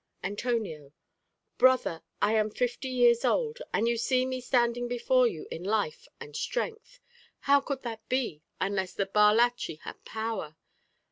Antonio Brother, I am fifty years old, and you see me standing before you in life and strength; how could that be unless the bar lachí had power?